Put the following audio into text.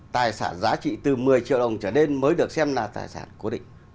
tài sản giá trị từ một mươi triệu đồng trở lên mới được xem là tài sản cố định